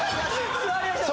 座りましょう。